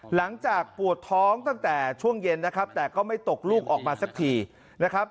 หลังจากปวดท้องตั้งแต่ช่วงเย็นนะครับแต่ก็ไม่ตกลูกออกมาสักทีนะครับ